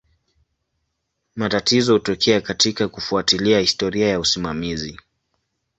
Matatizo hutokea katika kufuatilia historia ya usimamizi.